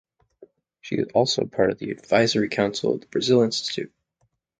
She is also part of the Advisory Council of the Brazil Institute.